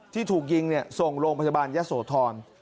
ที่ถูกยิงนี่ส่งโรงพจบันยศโทร